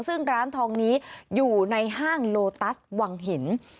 ซึ่งร้านทองนี้อยู่ในห้างโลตัสวังหิน